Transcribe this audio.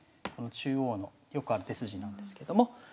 この中央のよくある手筋なんですけども。